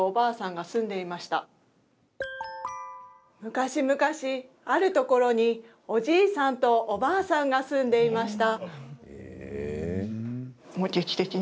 昔々あるところに、おじいさんとおばあさんが住んでいました。